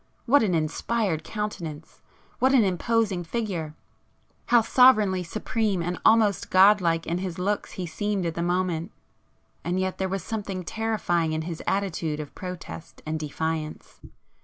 What an inspired countenance!—what an imposing figure!—how sovereignly supreme and almost god like in his looks he seemed at the moment;—and yet there was something terrifying in his attitude of protest and defiance.